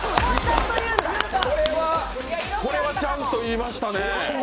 これはちゃんと言いましたね。